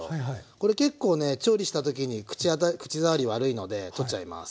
これ結構ね調理した時に口当たり口触り悪いので取っちゃいます。